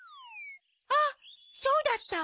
あっそうだった！